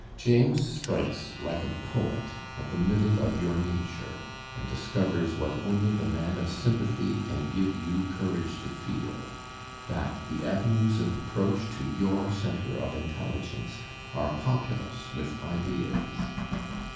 James strikes like a poet at the middle of your nature and discovers, what only the man of i^ympathy can give you courage to feel, that the avenues of approach to your centre of intelligence are populous with ideas.